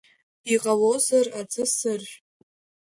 Иҟалозар, аӡы сыржә!